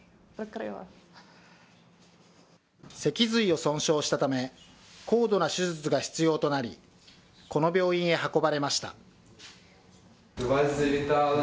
脊髄を損傷したため、高度な手術が必要となり、この病院へ運ばれました。